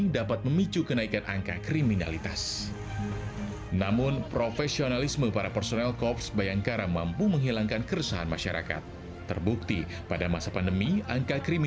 tapi kebanyakan kan warga kita adalah yang terdampak secara ekonomi